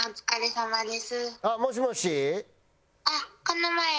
あっもしもし。